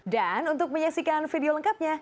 dan untuk menyaksikan video lengkapnya